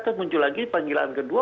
kan muncul lagi panggilan kedua